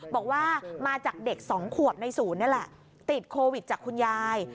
บอกว่ามาจากเด็กสองขวบในศูนย์นี่แหละติดโควิดจากคุณยาย